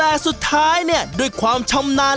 อัลบัตตาสมุนไพรบ้านดงบัง